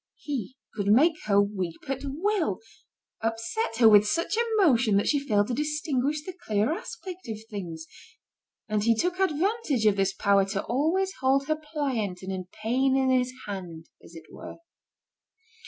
He could make her weep at will, upset her with such emotion that she failed to distinguish the clear aspect of things; and he took advantage of this power to always hold her pliant and in pain in his hand, as it were.